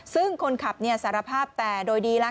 ซึ่งคนขับสารภาพแต่โดยดีแล้ว